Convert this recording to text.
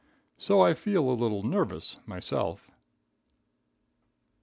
So I feel a little nervous myself.